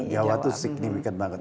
jawa itu signifikan banget